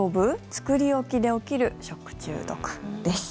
作り置きで起きる食中毒です。